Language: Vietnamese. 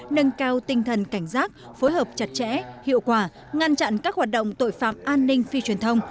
nâng cao tinh thần cảnh giác phối hợp chặt chẽ hiệu quả ngăn chặn các hoạt động tội phạm an ninh phi truyền thông